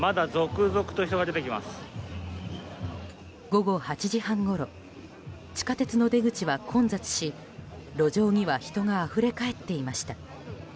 午後８時半ごろ地下鉄の出口は混雑し路上には人があふれ返っていました。